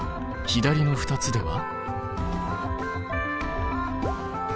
右の２つでは？